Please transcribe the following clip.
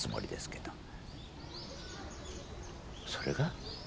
それが？